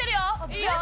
いいよ！